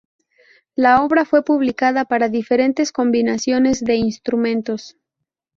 La obra fue publicada para diferentes combinaciones de instrumentos.